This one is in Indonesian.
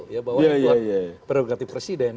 ya bahwa itu hak prerogatif presiden